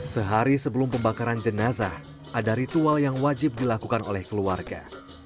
sehari sebelum pembakaran jenazah ada ritual yang wajib dilakukan oleh keluarga